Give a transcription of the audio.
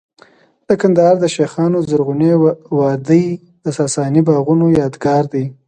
د کندهار د شیخانو د زرغونې وادۍ د ساساني باغونو یادګار دی